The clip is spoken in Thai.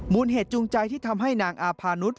เหตุจูงใจที่ทำให้นางอาพานุษย